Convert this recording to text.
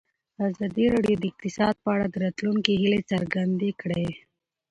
ازادي راډیو د اقتصاد په اړه د راتلونکي هیلې څرګندې کړې.